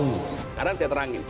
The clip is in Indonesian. sekarang saya terangin